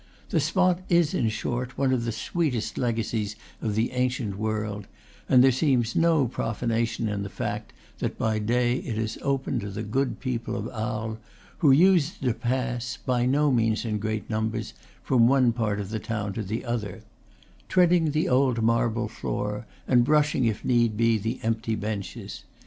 The spot is, in short, one of the sweetest legacies of the ancient world; and there seems no profanation in the fact that by day it is open to the good people of Arles, who use it to pass, by no means in great num bers, from one part of the town to the other; treading the old marble floor, and brushing, if need be, the empty benches.